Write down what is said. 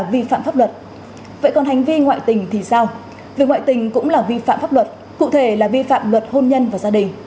việc ngoại tình cũng là vi phạm pháp luật cụ thể là vi phạm luật hôn nhân và gia đình